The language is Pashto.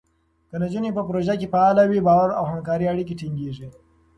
که نجونې په پروژو کې فعاله وي، باور او همکارۍ اړیکې ټینګېږي.